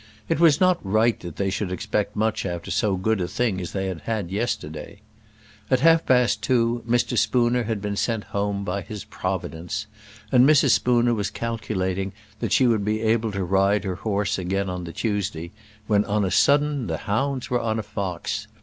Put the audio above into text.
It was not right that they should expect much after so good a thing as they had had yesterday. At half past two Mr. Spooner had been sent home by his Providence, and Mrs. Spooner was calculating that she would be able to ride her horse again on the Tuesday, when on a sudden the hounds were on a fox.